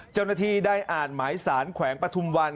เจ้าหน้าที่ได้อ่านหมายสารแขวงปฐุมวัน